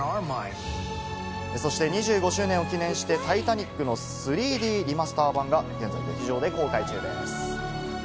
そして２５周年を記念して、『タイタニック』の３Ｄリマスター版が現在劇場で公開中です。